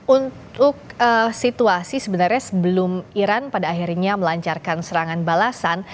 untuk situasi sebenarnya sebelum iran pada akhirnya melancarkan serangan balasan